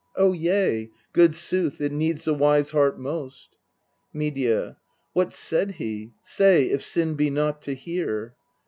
O yea good sooth, it needs the wise heart most. Medea. What said he ? Say, if sin be not to hear.